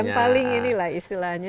yang paling inilah istilahnya